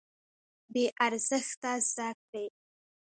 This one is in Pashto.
بې ارزښته زده کړې.